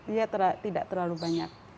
dia tidak terlalu banyak